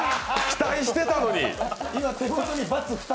期待してたのに。